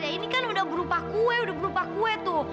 ya ini kan udah berupa kue udah berubah kue tuh